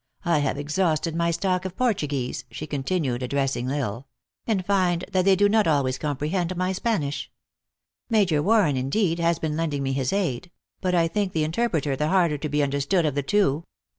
I have ex hausted my stock of Portuguese," she continued, ad dressing L Isle ;" and find that they do not always comprehend my Spanish. Major Warren, indeed, has been lending me his aid ; but I think the interpreter the harder to be understood of the two.